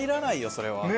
それは。